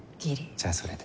じゃあそれで。